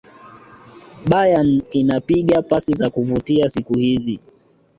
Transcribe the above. bayern inapiga pasi za kuvutia siku hizi